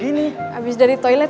ini udah sudah baru